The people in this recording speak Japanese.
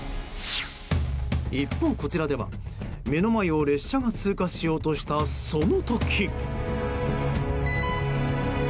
一方、こちらでは目の前を列車が通過しようとしたその時。